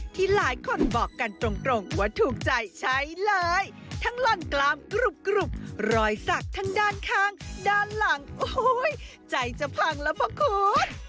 ที่หลายคนบอกกันตรงว่าถูกใจใช้เลยทั้งหล่อนกลามกรุบรอยสักทั้งด้านข้างด้านหลังโอ้โหใจจะพังแล้วพ่อคุณ